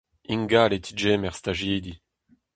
Ingal e tegemerer stajidi.